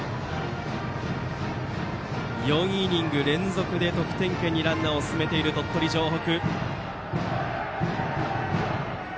４イニング連続で得点圏にランナーを進めている鳥取城北。